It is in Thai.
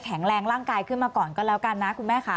แรงร่างกายขึ้นมาก่อนก็แล้วกันนะคุณแม่ค่ะ